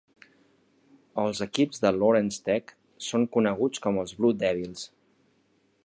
Els equips de Lawrence Tech són coneguts com els Blue Devils.